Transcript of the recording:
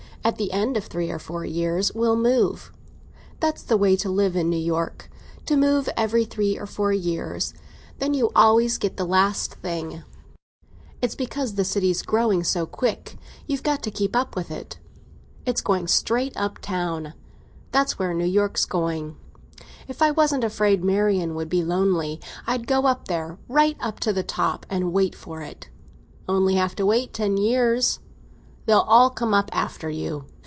At the end of three or four years we'll move. That's the way to live in New York—to move every three or four years. Then you always get the last thing. It's because the city's growing so quick—you've got to keep up with it. It's going straight up town—that's where New York's going. If I wasn't afraid Marian would be lonely, I'd go up there—right up to the top—and wait for it. Only have to wait ten years—they'd all come up after you.